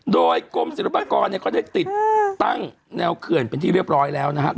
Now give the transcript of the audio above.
โดยกรมศิลปากรก็ได้ติดตั้งแนวเขื่อนเป็นที่เรียบร้อยแล้วนะครับ